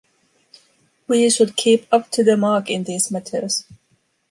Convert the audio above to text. We should keep up to the mark in these matters.